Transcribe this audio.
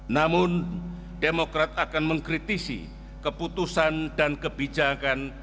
namun demokrat akan mengkritisi keputusan dan kebijakan